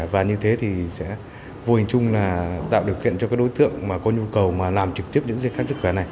và như thế thì sẽ vô hình chung là tạo điều kiện cho các đối tượng mà có nhu cầu mà làm trực tiếp những giấy khám sức khỏe này